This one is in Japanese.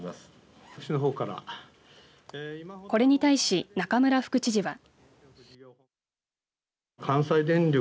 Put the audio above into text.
これに対し中村副知事は。